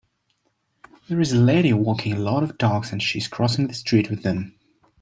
There is a lady walking a lot of dogs and she is crossing the street with them.